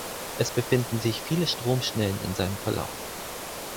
Es befinden sich viele Stromschnellen in seinem Verlauf.